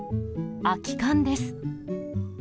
空き缶です。